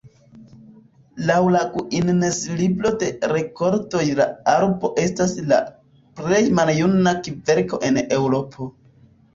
Laŭ la Guinness-libro de rekordoj la arbo estas la plej maljuna kverko en Eŭropo.